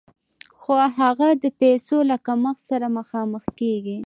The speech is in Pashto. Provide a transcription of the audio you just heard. خو هغه د پیسو له کمښت سره مخامخ کېږي